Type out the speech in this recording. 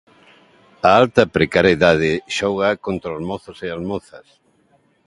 A alta precariedade xoga contra os mozos e as mozas.